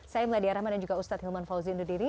saya meladya rahman dan juga ustadz hilman fauzi